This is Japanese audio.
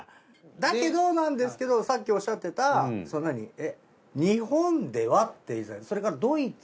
だけどなんですけどさっきおっしゃってた日本ではって言ってたそれからドイツ？